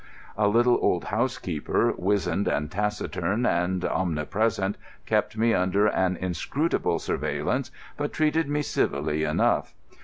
A little old housekeeper, wizened and taciturn and omnipresent, kept me under an inscrutable surveillance, but treated me civilly enough.